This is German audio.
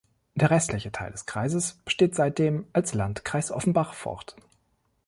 Der restliche Teil des Kreises besteht seitdem als "Landkreis Offenbach" fort.